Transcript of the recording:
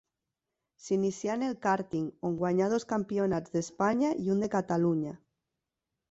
S'inicià en el kàrting, on guanyà dos campionats d'Espanya i un de Catalunya.